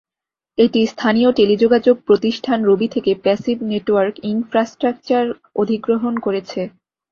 এটি স্থানীয় টেলিযোগাযোগ প্রতিষ্ঠান রবি থেকে প্যাসিভ নেটওয়ার্ক ইনফ্রাস্ট্রাকচার অধিগ্রহণ করেছে।